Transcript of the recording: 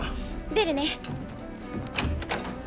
出るね。